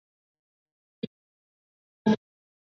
对情有独钟。